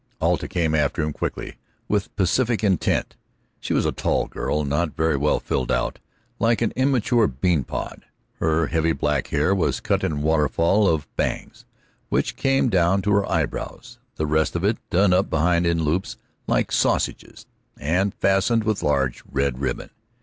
Alta came after him, quickly, with pacific intent. She was a tall girl, not very well filled out, like an immature bean pod. Her heavy black hair was cut in a waterfall of bangs which came down to her eyebrows, the rest of it done up behind in loops like sausages, and fastened with a large, red ribbon.